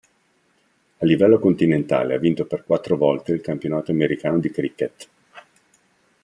A livello continentale ha vinto per quattro volte il Campionato Americano di cricket.